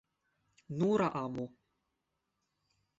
Nura amo!